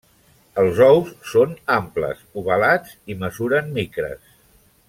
Els ous són amples, ovalats i mesuren micres.